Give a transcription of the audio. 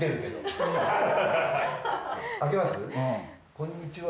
こんにちは。